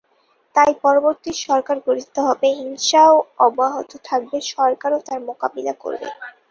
তাই পরবর্তী সরকার গঠিত হবে, হিংসাও অব্যাহত থাকবে, সরকারও তার মোকাবিলা করবে।